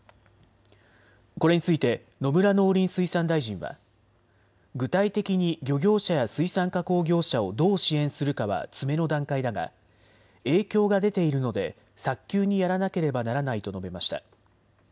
これについて野村農林水産大臣は具体的に漁業者や水産加工業者をどう支援するかは詰めの段階だが影響が出ているので早急にやらなければならないと述べました。